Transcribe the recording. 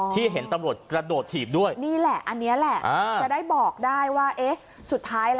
ปีที่เห็นตำรวจกระโดดทีด้วยนี่แหละอันนี้แหละเอาได้บอกได้ว่าเอ๊ะสุด